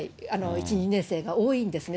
１、２年生が多いんですね。